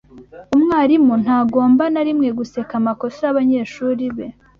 Umwarimu ntagomba na rimwe guseka amakosa yabanyeshuri be.